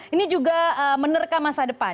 ini juga menerka masa depan